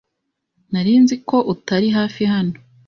Nari nzi ko utari hafi hano.